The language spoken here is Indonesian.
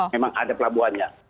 memang ada pelabuhannya